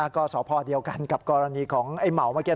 ก็สพเดียวกันกับกรณีของไอ้เหมาเมื่อกี้